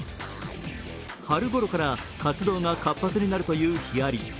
春ごろから活動が活発になるというヒアリ。